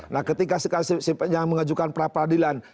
nah ketika siapa yang mengajukan peradilan